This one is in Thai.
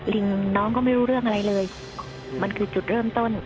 ลิงน้องก็ไม่รู้เรื่องอะไรเลยมันคือจุดเริ่มต้น